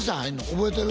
覚えてる？